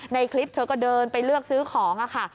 ในคลิปเธอก็เดินไปเลือกซื้อของค่ะ